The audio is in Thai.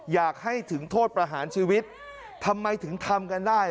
อยากให้ถึงโทษประหารชีวิตทำไมถึงทำกันได้